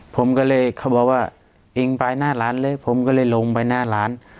ผมก็เลยเขาบอกว่ายิงไปหน้าร้านเลยผมก็เลยลงไปหน้าร้าน